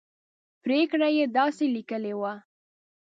پرېکړه یې داسې لیکلې وه.